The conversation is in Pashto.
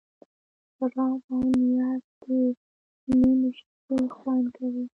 راز او نیاز د نیمې شپې خوند کوي.